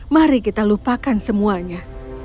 mari kita lupakan semuanya